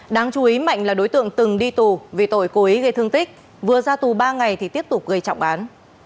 đáng chú ý mạnh là đối tượng từng đi tù vì tội cố ý gây thương tích vừa ra tù ba ngày thì tiếp tục gây trọng án